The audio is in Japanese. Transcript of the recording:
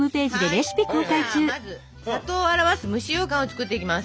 じゃあまず「里」を表す蒸しようかんを作っていきます！